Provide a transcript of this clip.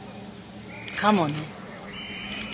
かもね。